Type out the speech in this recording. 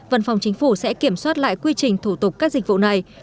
văn phòng chính phủ sẽ kiểm soát lại quy trình thủ tục các dịch vụ này